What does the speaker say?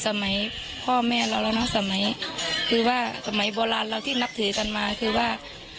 สมัยพ่อแม่เราแล้วนะสมัยคือว่าสมัยโบราณเราที่นับถือกันมาคือว่า